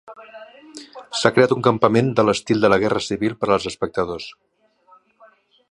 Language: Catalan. S'ha creat un campament de l'estil de la Guerra Civil per als espectadors.